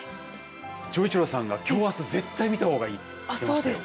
錠一郎さんが「きょう、あす絶対見たほうがいい」って言ってましたよ。